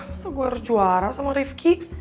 masa gue harus juara sama rifki